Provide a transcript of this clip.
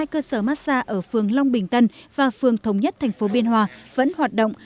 hai cơ sở massage ở phương long bình tân và phương thống nhất tp biên hòa vẫn hoạt động